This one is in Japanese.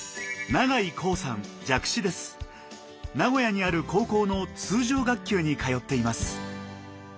名古屋にある高校の通常学級に通っています。